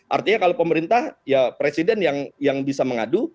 artinya kalau pemerintah ya presiden yang bisa mengadu